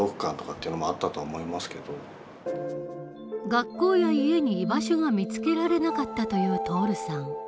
学校や家に居場所が見つけられなかったという徹さん。